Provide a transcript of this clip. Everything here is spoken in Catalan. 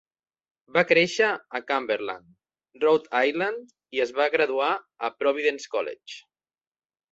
Va créixer a Cumberland, Rhode Island, i es va graduar a Providence College.